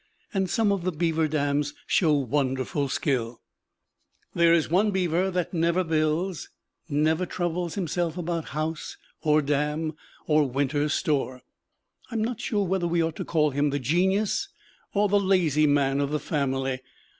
And some of the beaver dams show wonderful skill. There is one beaver that never builds, that never troubles himself about house, or dam, or winter's store. I am not sure whether we ought to call him the genius or the lazy man of the family.